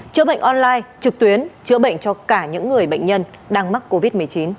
chữa bệnh online trực tuyến chữa bệnh cho cả những người bệnh nhân đang mắc covid một mươi chín